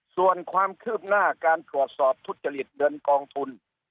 ส่วนความคืบหน้าการตรวจสอบทุจริตเงินกองทุน